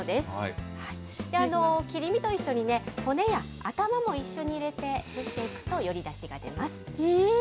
切り身と一緒に骨や頭も一緒に入れて、蒸していくとよりだしうーん。